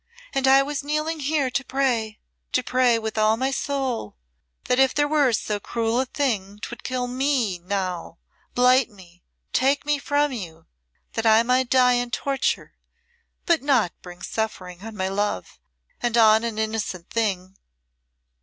"And I was kneeling here to pray to pray with all my soul that if there were so cruel a thing 'twould kill me now blight me take me from you that I might die in torture but not bring suffering on my love, and on an innocent thing."